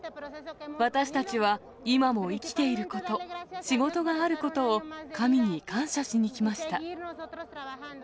私たちは、今も生きていること、仕事があることを神に感謝しに来ました。